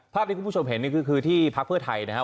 ภาพที่คุณผู้ชมเห็นนี่ก็คือที่พักเพื่อไทยนะครับ